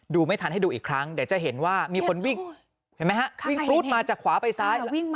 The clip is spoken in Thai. ไม่ทันให้ดูอีกครั้งเดี๋ยวจะเห็นว่ามีคนวิ่งเห็นไหมฮะวิ่งปรู๊ดมาจากขวาไปซ้าย